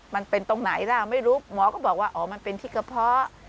มันเป็นตรงไหนล่ะไม่รู้หมอก็บอกว่าอ๋อมันเป็นที่กระเพาะ